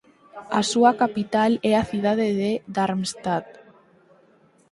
A súa capital é a cidade de Darmstadt.